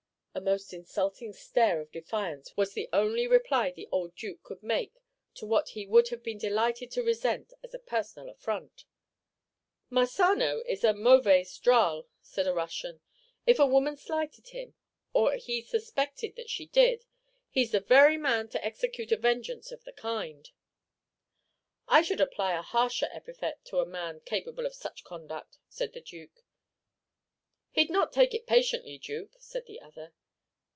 A most insulting stare of defiance was the only reply the old Duke could make to what he would have been delighted to resent as a personal affront. "Marsano is a mauvais drôle," said a Russian; "and if a woman slighted him, or he suspected that she did, he's the very man to execute a vengeance of the kind." "I should apply a harsher epithet to a man capable of such conduct," said the Duke. "He 'd not take it patiently, Duke," said the other.